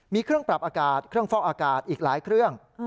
มีเครื่องปรับอากาศเครื่องฟอกอากาศอีกหลายเครื่อง